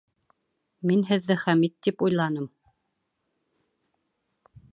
Мин һеҙҙе Хәмит тип уйланым